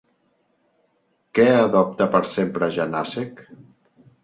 Què adopta per sempre Janácek?